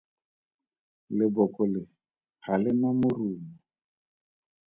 Leboko le ga le na morumo.